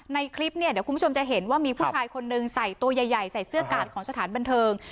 ในคลิปเนี่ยเดี๋ยวคุณผู้ชมจะเห็นว่ามีผู้ชายคนนึงใส่ตัวใหญ่ใส่เสื้อกาดของสถานบันเทิง